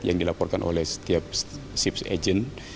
yang dilaporkan oleh setiap ships agent